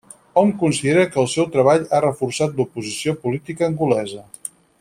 Hom considera que el seu treball ha reforçat l'oposició política angolesa.